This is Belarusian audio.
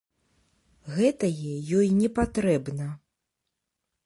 Гэтае ёй не патрэбна!